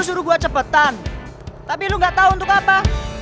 suruh gue cepetan tapi lu gak tau untuk apa